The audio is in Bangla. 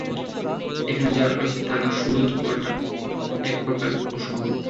এখানে যারা আছে তারা তার সুহৃদ হওয়াটা এক প্রকার অসম্ভব।